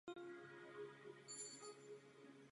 V tomto období byla také zřízena zámecká kaple.